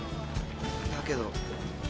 だけど。